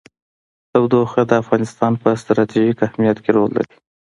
تودوخه د افغانستان په ستراتیژیک اهمیت کې رول لري.